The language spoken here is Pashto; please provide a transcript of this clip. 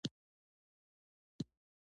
او مزایاوو بې برخې پاتې شوي